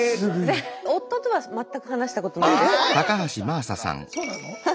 夫とは全く話したことない。